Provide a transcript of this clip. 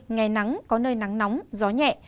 ngày nắng có nơi nắng nóng gió nhẹ